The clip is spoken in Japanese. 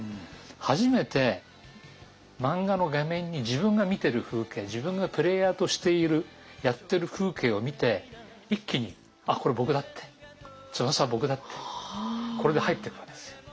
初めて漫画の画面に自分が見てる風景自分がプレーヤーとしているやってる風景を見て一気に「あっこれ僕だ」って「翼は僕だ」ってこれで入っていくわけですよ。